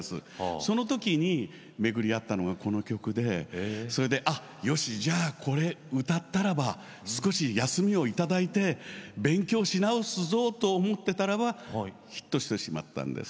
そのときに巡り会ったのがこの曲でよしじゃあこれを歌ったらば少し休みをいただいて勉強し直すぞと思っていたらヒットしてしまったんです。